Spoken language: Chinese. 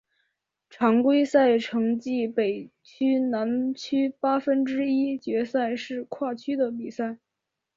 常规赛成绩北区南区八分之一决赛是跨区的比赛。